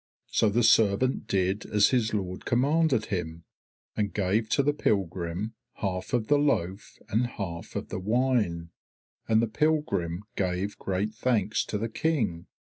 So the servant did as his lord commanded him, and gave to the pilgrim half of the loaf and half of the wine, and the pilgrim gave great thanks to the King.